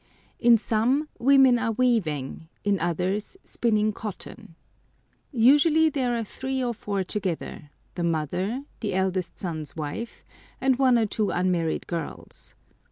In some women are weaving, in others spinning cotton. Usually there are three or four together—the mother, the eldest son's wife, and one or two unmarried girls.